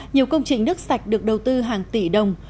nhiều công trình nước sạch được đầu tư hàng tỷ đồng